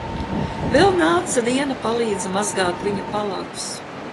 Vēl nāca viena palīdze mazgāt viņa palagus.